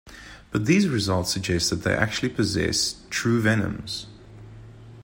But these results suggest that they actually possess true venoms.